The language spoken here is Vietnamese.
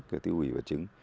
tiêu hủy vật chứng